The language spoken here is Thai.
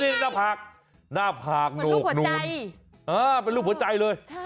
นี่หน้าภาคนูกนู้นเป็นลูกหัวใจเลย